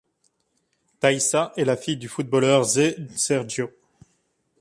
Thaíssa est la fille du footballeur Zé Sérgio.